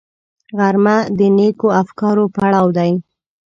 غرمه د نېکو افکارو پړاو دی